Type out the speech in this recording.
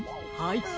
はい。